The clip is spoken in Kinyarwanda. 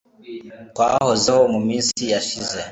Twahozeho Mu minsi yashize